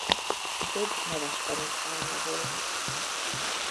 Több neves tanítványa volt.